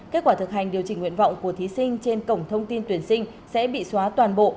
kết quả thực hành điều chỉnh nguyện vọng của thí sinh trên cổng thông tin tuyển sinh sẽ bị xóa toàn bộ